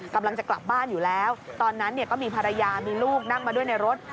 กำลังจะกลับบ้านอยู่แล้วตอนนั้นก็มีภรรยามีลูกนั่งมาด้วยในรถ